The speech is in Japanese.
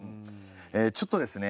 えちょっとですね